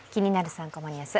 ３コマニュース」